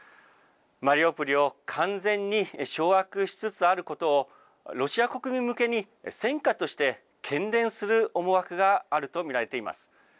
マリウポリを完全に掌握しつつあることを、ロシア国民向けに戦果としてけんでんする思惑があると見られています。